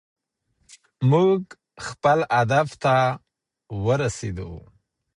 موږ خپل هدف ته ورسېدو.